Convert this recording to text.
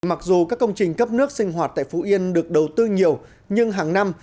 mặc dù các công trình cấp nước sinh hoạt tại phú yên được đầu tư nhiều nhưng hàng năm